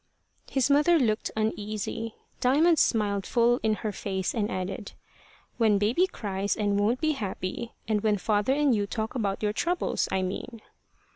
His mother looked uneasy. Diamond smiled full in her face, and added "When baby cries and won't be happy, and when father and you talk about your troubles, I mean."